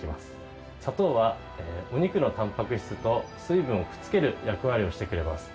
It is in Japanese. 砂糖はお肉のたんぱく質と水分をくっつける役割をしてくれます。